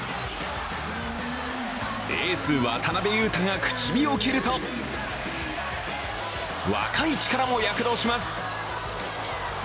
エース・渡邊雄太が口火を切ると若い力も躍動します。